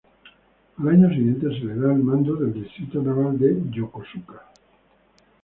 Al año siguiente se la el mando del Distrito Naval de Yokosuka.